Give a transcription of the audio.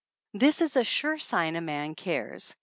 This is a sure sign a man cares.